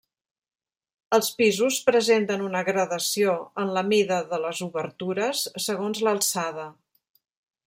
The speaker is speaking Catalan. Els pisos presenten una gradació en la mida de les obertures segons l'alçada.